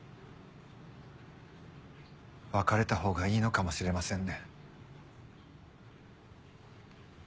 別れたほうがいいのかもしれませんね。